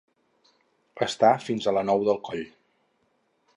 Estar fins a la nou del coll.